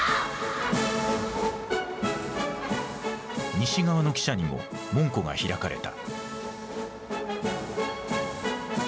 西側の記者にも門戸が開かれた。